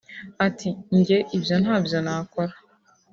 Ati “Njye ibyo ntabwo nabikora